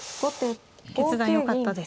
決断よかったですね。